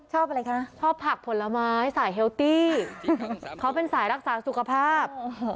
ชอบอะไรคะชอบผักผลไม้สายเฮลตี้เขาเป็นสายรักษาสุขภาพ